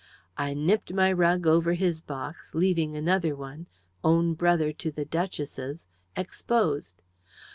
I nipped my rug over his box, leaving another one own brother to the duchess's exposed.